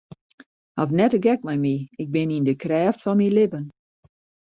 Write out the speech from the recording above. Haw net de gek mei my, ik bin yn de krêft fan myn libben.